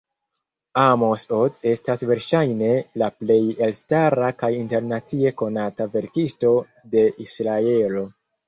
Amos Oz estas verŝajne la plej elstara kaj internacie konata verkisto de Israelo.